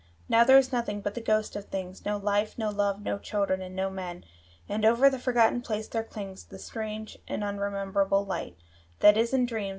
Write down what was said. Now there is nothing but the ghosts of things, No life, no love, no children, and no men; And over the forgotten place there clings The strange and unrememberable light That is in dreams.